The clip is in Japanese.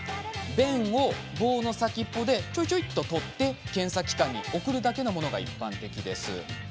便を棒の先っぽで取って検査機関に送るだけのものが一般的です。